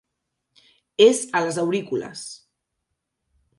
És a les aurícules.